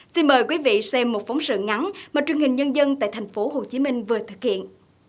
xin mời quý vị xem một phóng sự ngắn mà truyền hình nhân dân tại tp hcm vừa thực hiện